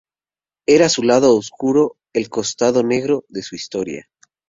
Era su lado oscuro, el costado negro de su historia.